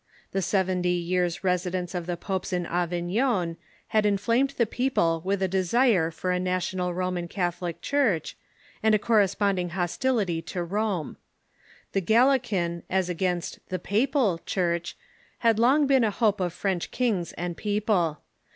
The seventy in ranee years' residence of the popes in Avignon had in flamed the people with a desire for a national Roman Catholic Church, and a corresponding hostility to Rome. The " Gal ilean" as against the "Papal" Church had long been a hope of French kings and people.